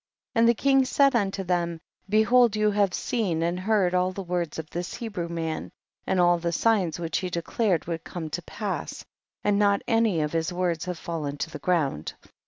2. And the king said unlo them, behold you have seen and heard all the words of this Hebrew man, and all the signs which he declared would come to pass, and not any of his words have fallen to the ground.